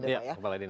iya kepala dinas